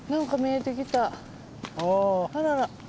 あらら。